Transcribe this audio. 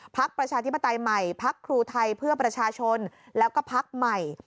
ประชาธิปไตยใหม่พักครูไทยเพื่อประชาชนแล้วก็พักใหม่